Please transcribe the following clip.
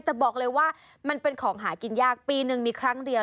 แต่บอกเลยว่ามันเป็นของหากินยากปีหนึ่งมีครั้งเดียว